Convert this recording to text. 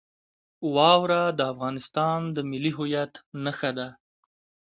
واوره د افغانستان د ملي هویت نښه ده.